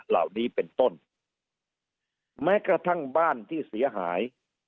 เหล่านี้เป็นต้นแม้กระทั่งบ้านที่เสียหาย